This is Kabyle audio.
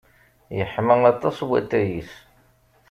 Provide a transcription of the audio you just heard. Yeḥma aṭas watay-a.